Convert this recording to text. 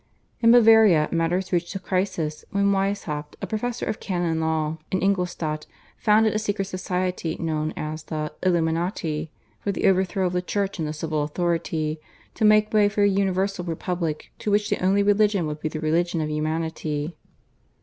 In Bavaria matters reached a crisis when Weishaupt, a professor of canon law in Ingolstadt, founded a secret society known as the /Illuminati/ for the overthrow of the Church and the civil authority, to make way for a universal republic in which the only religion would be the religion of humanity.